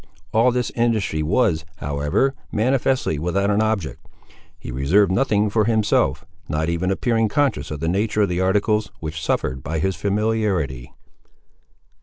All this industry was, however, manifestly without an object. He reserved nothing for himself, not even appearing conscious of the nature of the articles which suffered by his familiarity.